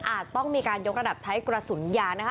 ต้องมีการยกระดับใช้กระสุนยานะคะ